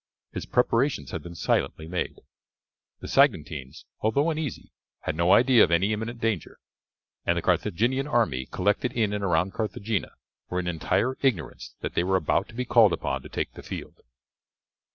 His preparations had been silently made. The Saguntines, although uneasy, had no idea of any imminent danger, and the Carthaginian army collected in and around Carthagena were in entire ignorance that they were about to be called upon to take the field.